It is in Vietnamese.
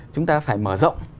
chúng ta phải mở rộng